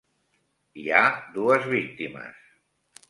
Hi ha dues víctimes.